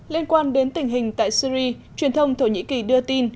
liên quan đến tình hình tại syri truyền thông thổ nhĩ kỳ đưa tin